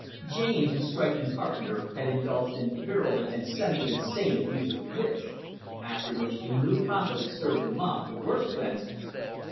James, the striking carpenter, had indulged in virulent and semi insane abuse of the rich; after which the new prophet had stirred the mob to worse frenzies.